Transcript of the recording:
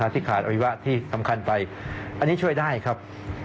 ที่ขาดอวัยวะที่สำคัญไปอันนี้ช่วยได้ครับ